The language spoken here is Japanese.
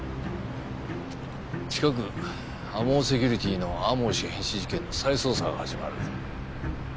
近くＡＭＯセキュリティーの天羽氏変死事件の再捜査が始まる。